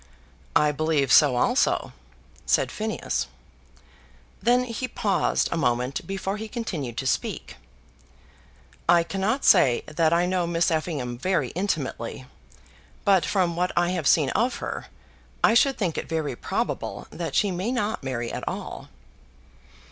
"I believe so also," said Phineas. Then he paused a moment before he continued to speak. "I cannot say that I know Miss Effingham very intimately, but from what I have seen of her, I should think it very probable that she may not marry at all."